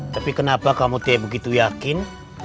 tapi kenapa kamu tidak begitu yakin